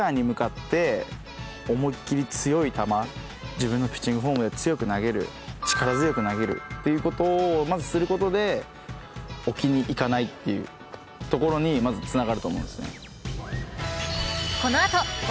自分のピッチングフォームで強く投げる力強く投げるっていうことをまずすることで置きにいかないっていうところにまずつながると思うんですね。